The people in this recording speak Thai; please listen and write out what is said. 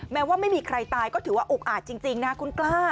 แม้ว่าไม่มีใครตายก็ถือว่าอุกอาจจริงนะคุณกล้า